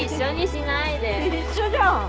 一緒じゃん。